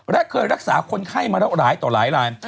และเคยรักษาคนไข้มาแล้วหลายต่อหลายราย